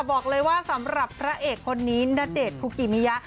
บอกเลยว่าสำหรับพระเอกคนนี้ณเดชน์คุกิมิยะ